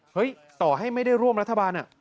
ต่อให้ไม่ได้ร่วมรัฐบาล